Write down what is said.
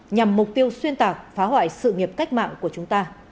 nhằm mục tiêu xuyên tạc phá hoại sự nghiệp cách mạng của chúng ta